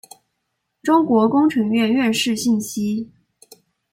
中国工程院院士信息